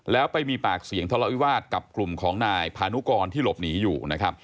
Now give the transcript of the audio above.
แล้วไปมีปากเสียงทะเลาะวิวาสกับกลุ่มของนายพานุกรที่หลบหนีอยู่นะครับ